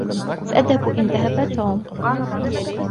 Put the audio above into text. سأذهب إن ذهب توم.